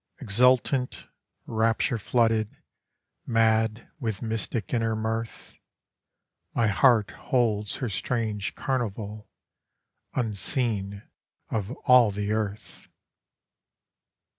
Exultant, rapture flooded, madWith mystic inner mirth, My heart holds her strange carnivalUnseen of all the earth.